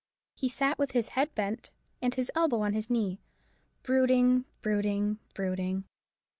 He sat with his head bent and his elbow on his knee; brooding, brooding, brooding.